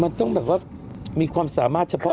มันต้องแบบว่ามีความสามารถเฉพาะ